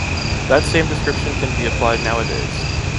That same description can be applied nowadays.